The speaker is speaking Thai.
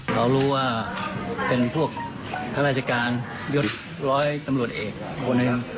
เรารู้ว่าเป็นพวกข้าราชการยศร้อยตำรวจเอกคนหนึ่ง